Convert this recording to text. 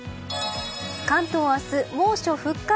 関東、明日、猛暑復活。